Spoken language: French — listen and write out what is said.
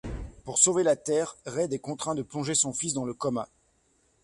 Pour sauver la Terre, Red est contraint de plonger son fils dans le coma.